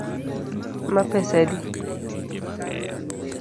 Ma pesa adi